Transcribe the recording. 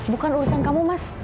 bukan urusan kamu mas